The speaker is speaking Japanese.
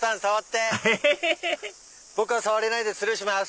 僕は触れないんでスルーします。